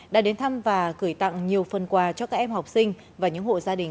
đã đến thăm và gửi tặng nhiều phần quà cho các em học sinh và những hộ gia đình